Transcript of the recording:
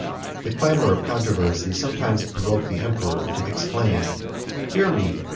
The clamor of controversy sometimes provoked the emperor to exclaim, "Hear me!